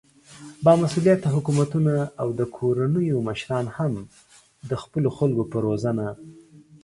با مسؤليته حکومتونه او د کورنيو مشران هم د خپلو خلکو په روزنه